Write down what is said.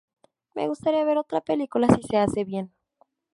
Me gustaría ver otra película si se hace bien.